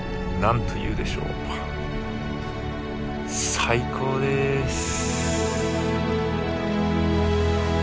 最高です！